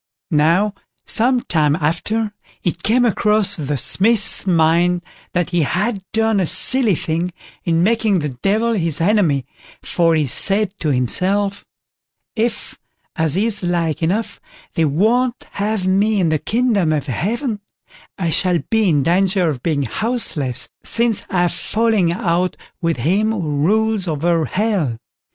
Now, some time after, it came across the Smith's mind that he had done a silly thing in making the Devil his enemy, for, he said to himself: "If, as is like enough, they won't have me in the kingdom of Heaven, I shall be in danger of being houseless, since I've fallen out with him who rules over Hell."